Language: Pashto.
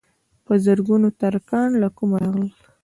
په زرګونو ترکان له کومه راغلل.